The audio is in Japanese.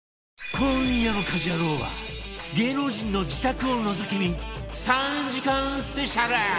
今夜の『家事ヤロウ！！！』は芸能人の自宅をのぞき見３時間スペシャル！